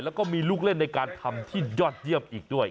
แล้วก็มีลูกเล่นในการทำที่ยอดเยี่ยมอีกด้วย